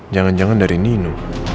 jangan jangan dari nino